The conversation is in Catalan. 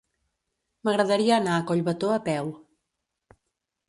M'agradaria anar a Collbató a peu.